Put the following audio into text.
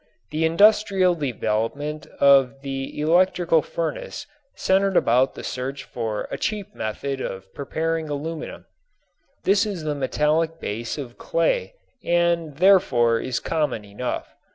The industrial development of the electrical furnace centered about the search for a cheap method of preparing aluminum. This is the metallic base of clay and therefore is common enough.